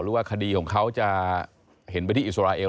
ว่าคดีของเขาจะเห็นไปที่อิสราเอล